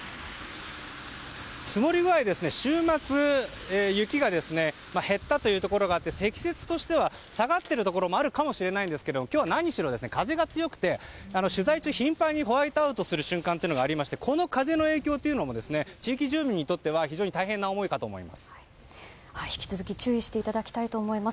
積もり具合、週末雪が減ったというところがあって積雪としては下がっているところもあるかもしれませんが今日は、何しろ風が強くて取材中、頻繁にホワイトアウトする瞬間がありましてこの風の影響というのも地域住民にとっては非常に大変な思いだと思います。